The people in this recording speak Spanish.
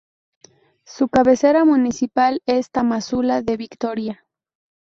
Su cabecera municipal es Tamazula de Victoria.